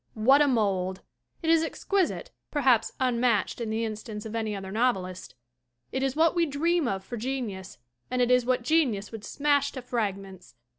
What a mold! It is exquisite, perhaps unmatched in the instance of any other novelist. It is what we dream of for genius and it is what genius would smash to frag ments !